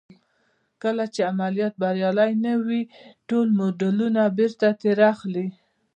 کله چې عملیات بریالي نه وي ټول مډالونه بېرته ترې اخلي.